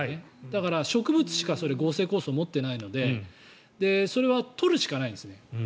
だから植物しか合成酵素を持っていないのでそれは取るしかないんですね。